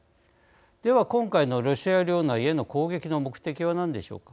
では、今回のロシア領内への攻撃の目的は何でしょうか。